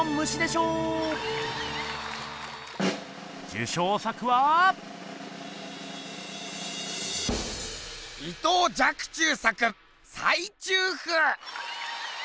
受賞作は⁉伊藤若冲作「菜蟲譜」！